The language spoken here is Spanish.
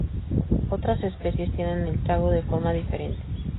Otras especies tienen el trago de forma diferente.